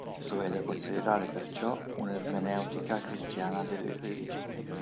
Esso è da considerare perciò un'ermeneutica cristiana delle religioni.